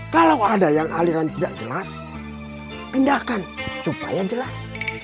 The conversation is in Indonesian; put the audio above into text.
kalau ada yang aliran tidak jelas pindahkan supaya jelas